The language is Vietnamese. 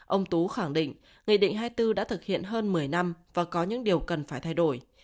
ông tú khẳng định nghị định hai mươi bốn đã thực hiện hơn một mươi năm và có những điều cần phải thay đổi